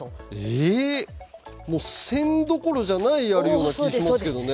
えもう１，０００どころじゃないあるような気ぃしますけどね。